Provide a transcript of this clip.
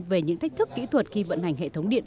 về những thách thức kỹ thuật khi vận hành hệ thống điện